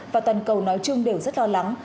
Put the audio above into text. và toàn cầu nói chung đều rất lo lắng